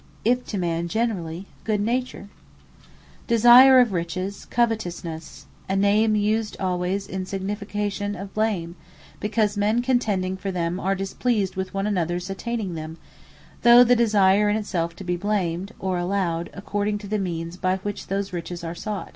If to man generally, GOOD NATURE. Covetousnesse Desire of Riches, COVETOUSNESSE: a name used alwayes in signification of blame; because men contending for them, are displeased with one anothers attaining them; though the desire in it selfe, be to be blamed, or allowed, according to the means by which those Riches are sought.